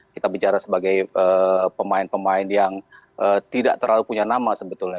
kita bicara sebagai pemain pemain yang tidak terlalu punya nama sebetulnya